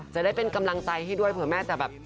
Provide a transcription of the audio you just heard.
จะได้เป็นกำลังใจให้ด้วยเผื่อแม่จะแบบ